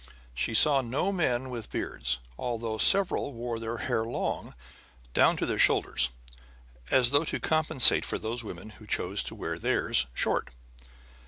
She saw no men with beards, although several wore their hair long, down to their shoulders, as though to compensate for those women who chose to wear theirs short.